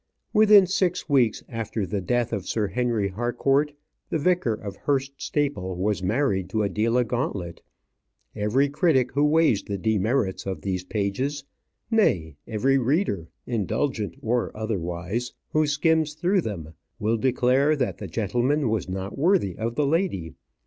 Within six weeks after the death of Sir Henry Harcourt, the vicar of Hurst Staple was married to Adela Gauntlet. Every critic who weighs the demerits of these pages nay, every reader, indulgent or otherwise, who skims through them, will declare that the gentleman was not worthy of the lady.